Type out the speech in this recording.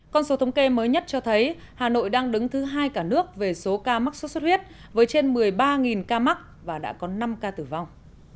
con số thống kê mới nhất cho thấy hà nội đang đứng thứ hai cả nước về số ca mắc sốt xuất huyết với trên một mươi ba ca mắc và đã có năm ca tử vong